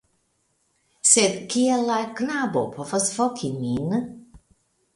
Sed kiel la knabo povas voki min?